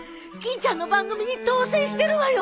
欽ちゃんの番組に当選してるわよ！